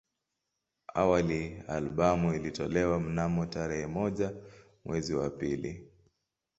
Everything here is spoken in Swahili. Awali albamu ilitolewa mnamo tarehe moja mwezi wa pili